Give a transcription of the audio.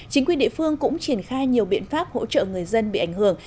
chính quyền địa phương cũng triển khai nhiều biện pháp hỗ trợ người dân bị ảnh hưởng